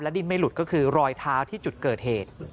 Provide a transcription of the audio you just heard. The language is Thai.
ดินไม่หลุดก็คือรอยเท้าที่จุดเกิดเหตุ